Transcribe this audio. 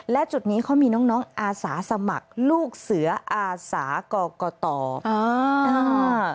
และจุดนี้เขามีน้องน้องอาสาสมัครลูกเสืออาสากรกตอ่า